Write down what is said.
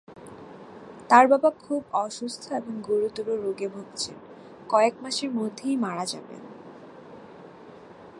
তার বাবা খুব অসুস্থ এবং গুরুতর রোগে ভুগছেন, কয়েক মাসের মধ্যেই মারা যাবেন।